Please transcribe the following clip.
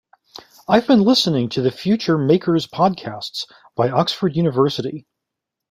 I've been listening to the future maker's podcasts by Oxford University.